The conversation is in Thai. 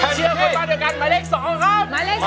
เชื่อคนมาด้วยกันหมายเลข๒ครับ